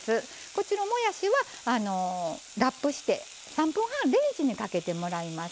こっちのもやしはあのラップして３分半レンジにかけてもらいます。